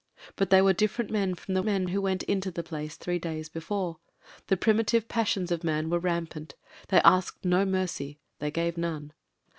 But they were different men from the men who went into the place three days before; the primitive passions of man were rampant — they asked no mercy, they gave none.